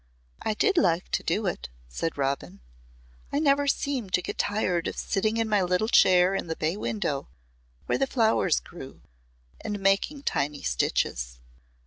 "I did like to do it," said Robin. "I never seemed to get tired of sitting in my little chair in the bay window where the flowers grew, and making tiny stitches."